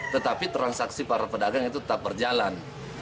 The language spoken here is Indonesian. tetapi transaksi para pedagang itu tetap berjalan